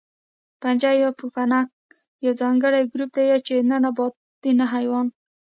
فنجي یا پوپنک یو ځانګړی ګروپ دی چې نه نبات دی نه حیوان